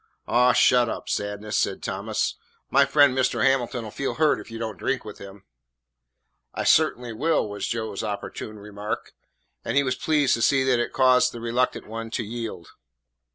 "Aw, shut up, Sadness," said Thomas. "My friend Mr. Hamilton 'll feel hurt if you don't drink with him." "I cert'n'y will," was Joe's opportune remark, and he was pleased to see that it caused the reluctant one to yield.